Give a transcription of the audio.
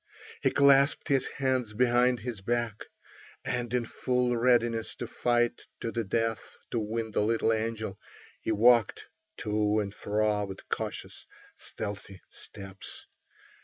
He clasped his hands behind his back, and in full readiness to fight to the death to win the little angel, he walked to and fro with cautious, stealthy steps.